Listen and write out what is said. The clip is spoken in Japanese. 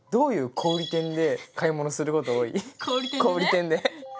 小売店で。